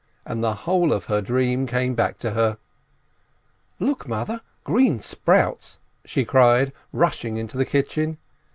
And the whole of her dream came back to her ! "Look, mother, green sprouts !" she cried, rushing into the kitchen.